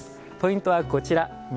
ポイントはこちら。